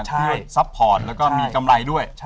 เพื่อซัพพอร์ตและก็มีกำไรด้วย